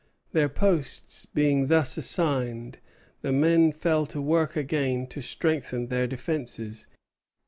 Their posts being thus assigned, the men fell to work again to strengthen their defences.